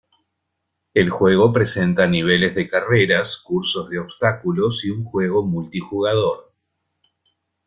El juego presenta niveles de carreras, cursos de obstáculos y un juego multijugador.